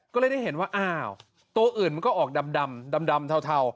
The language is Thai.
ก็เลยได้เห็นว่าอ้าวตัวอื่นมันก็ออกดำเทา